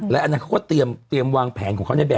และเขาก็ก็เตรียมวางแผนของเขา